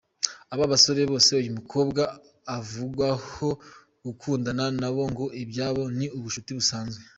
Aba basore bose uyu mukobwa avugwaho gukundana na bo ngo ibyabo ni ubucuti busanzwe.